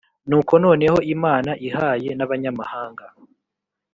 Nuko noneho Imana ihaye n abanyamahanga